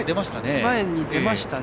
前に出ましたね。